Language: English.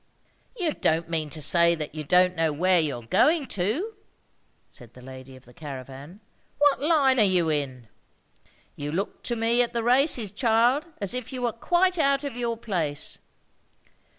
"You don't mean to say that you don't know where you're going to!" said the lady of the caravan. "What line are you in? You looked to me at the races, child, as if you were quite out of your place."